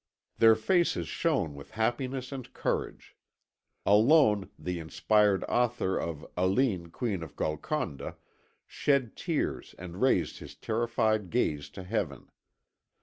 Their faces shone with happiness and courage. Alone, the inspired author of Aline, Queen of Golconda, shed tears and raised his terrified gaze to heaven.